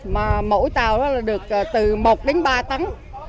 mỗi tàu được từ một ba tắng